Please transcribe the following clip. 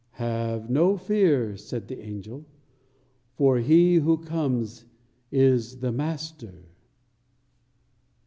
"Have no fear," said the angel; "for He who comes is the Master."